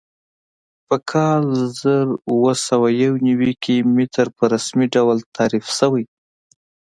په کال زر اووه سوه یو نوي کې متر په رسمي ډول تعریف شوی.